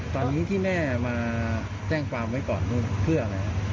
ตอนนี้ที่แม่มาแจ้งความไว้ก่อนนู่นเพื่ออะไรครับ